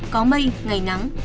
có mây ngày nắng